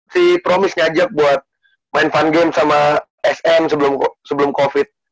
si promis ngajak buat main fun game sama sm sebelum covid